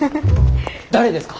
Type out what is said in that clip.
誰ですか？